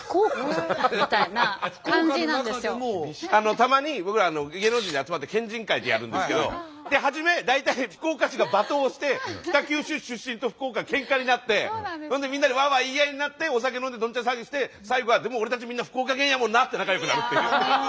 たまに僕ら芸能人で集まって県人会ってやるんですけど初め大体福岡市が罵倒して北九州出身と福岡ケンカになってみんなでワーワー言い合いになってお酒飲んでどんちゃん騒ぎして最後はでも俺たちみんな福岡県やもんなって仲良くなるっていう。